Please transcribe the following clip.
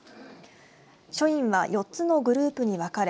署員は４つのグループに分かれ